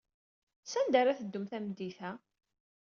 Sanda ara teddum tameddit-a?